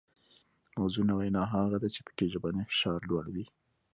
موزونه وینا هغه ده چې پکې ژبنی فشار لوړ وي